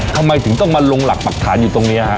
ทำไมถึงต้องมาลงหลักปรักฐานอยู่ตรงนี้ฮะ